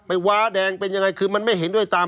ว้าแดงเป็นยังไงคือมันไม่เห็นด้วยตาม